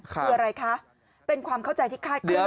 คืออะไรคะเป็นความเข้าใจที่คลาดเคลื่อ